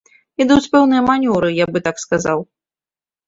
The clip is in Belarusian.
Ідуць пэўныя манёўры, я бы так казаў.